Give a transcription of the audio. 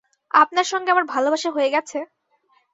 আপনার সঙ্গে আমার ভালবাসা হয়ে গেছে?